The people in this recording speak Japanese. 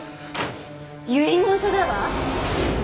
遺言書だわ！